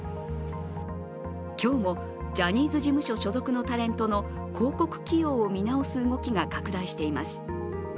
今日もジャニーズ事務所所属のタレントの広告起用を見直す動きが拡大しています。